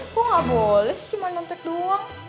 kok gak boleh sih cuma nyontek doang